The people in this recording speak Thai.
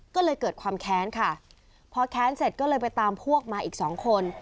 ก็เลยเกิดความแค้นค่ะพอแค้นเสร็จก็เลยไปตามพวกมาอีกสองคน